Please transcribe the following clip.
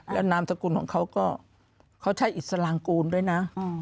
แล้วนามสกุลของเขาก็เขาใช้อิสลางกูลด้วยนะ